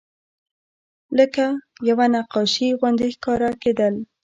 لکه یوه نقاشي غوندې ښکاره کېدل.